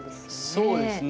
そうですね。